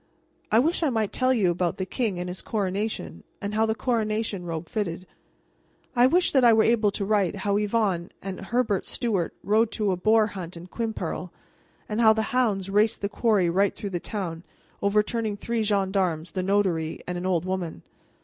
I wish I might tell you about the king and his coronation, and how the coronation robe fitted. I wish that I were able to write how Yvonne and Herbert Stuart rode to a boar hunt in Quimperle, and how the hounds raced the quarry right through the town, overturning three gendarmes, the notary, and an old woman.